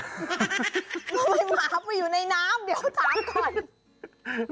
ทำไมหมาไปอยู่ในน้ำเดี๋ยวถามก่อน